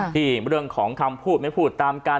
ที่เรื่องของคำพูดไม่พูดตามกัน